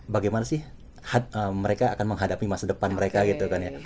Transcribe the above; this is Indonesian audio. bagaimana sih mereka akan menghadapi masa depan mereka gitu kan ya